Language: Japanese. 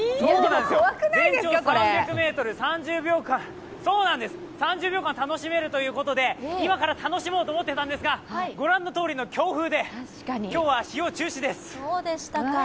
全長３００ｍ、３０秒間、楽しめるということで今から楽しもうと思ってたんですが、ご覧のとおりの強風で、今日は使用中止です。